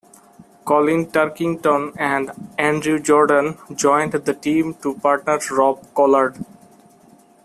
Colin Turkington and Andrew Jordan joined the team to partner Rob Collard.